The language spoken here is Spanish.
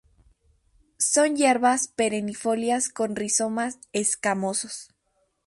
Son hierbas perennifolias con rizomas escamosos.